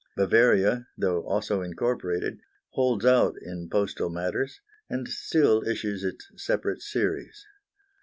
Bavaria, though also incorporated, holds out in postal matters, and still issues its separate series.